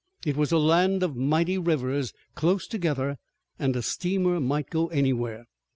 It was a land of mighty rivers, close together, and a steamer might go anywhere.